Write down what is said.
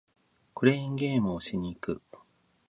クレーンゲームをしに行く